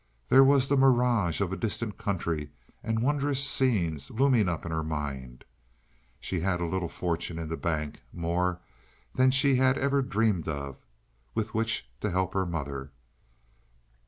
There was the mirage of a distant country and wondrous scenes looming up in her mind. She had a little fortune in the bank, more than she had ever dreamed of, with which to help her mother.